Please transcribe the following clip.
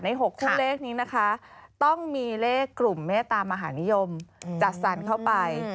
ใช่ค่ะใน๖คู่เลขนี้นะคะต้องมีเลขกลุ่มตามมหานิยมจัดสรรเข้าไป